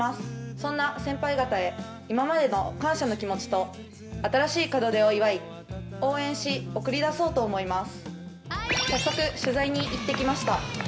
そんな先輩方へ、今までの感謝の気持ちと新しい門出を祝い、応援し、送り出そうと思います。